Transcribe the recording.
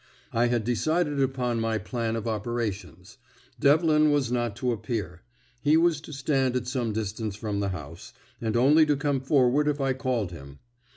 I had decided upon my plan of operations: Devlin was not to appear; he was to stand at some distance from the house, and only to come forward if I called him.